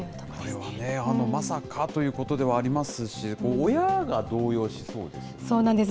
これはまさかということではありますし、親が動揺しそうですそうなんです。